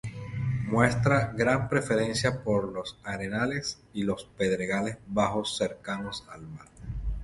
Muestra gran preferencia por los arenales y los pedregales bajos cercanos al mar.